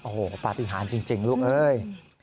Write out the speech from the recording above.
โอ้โหปฏิหารจริงลูกเอ้ย